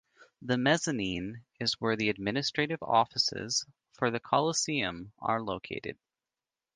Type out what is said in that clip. The mezzanine is where the administrative offices for the coliseum are located.